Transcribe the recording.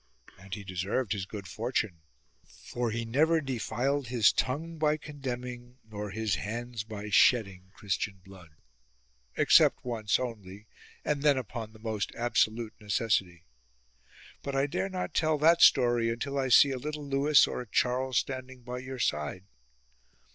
And he deserved his good fortune ; for he never defiled his tongue by condemning, nor his hands by shedding Christian blood : except once only, and then upon the most absolute necessity. But I dare not tell that story until I see a little Lewis or a Charles standing by your side.